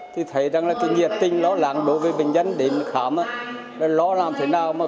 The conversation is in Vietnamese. thì thấy rằng là cái nhiệt tinh nó làm đối với bệnh nhân đến khám nó làm thế nào